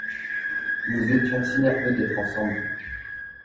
Nous étions si nerveux d'être ensemble.